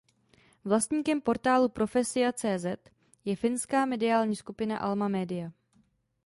Vlastníkem portálu "Profesia.cz" je finská mediální skupina Alma Media.